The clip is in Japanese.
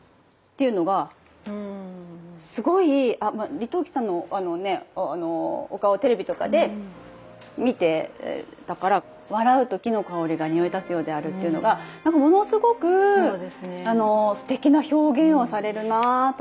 李登輝さんのあのお顔をテレビとかで見てたから笑うと木の香りがにおい立つようであるっていうのがなんかものすごくすてきな表現をされるなとかって。